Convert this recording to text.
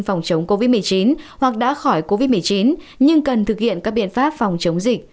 phòng chống covid một mươi chín hoặc đã khỏi covid một mươi chín nhưng cần thực hiện các biện pháp phòng chống dịch